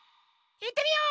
いってみよう！